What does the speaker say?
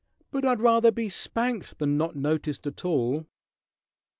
"But I'd rather be spanked than not noticed at all."